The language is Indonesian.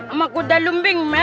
sama kuda lembing mau